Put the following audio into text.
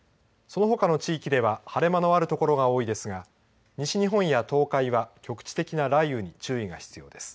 そのほかの地域では晴れ間のある所が多いですが西日本や東海は局地的な雷雨に注意が必要です。